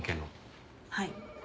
はい。